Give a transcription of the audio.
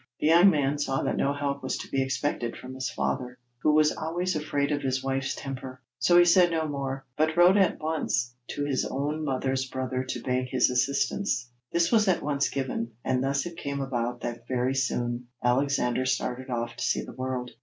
The young man saw that no help was to be expected from his father, who was always afraid of his wife's temper, so he said no more, but wrote at once to his own mother's brother to beg his assistance. This was at once given, and thus it came about that very soon Alexander started off to see the world.